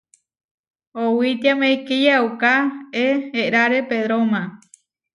Owítiame kiyauká eʼeráre Pedróma.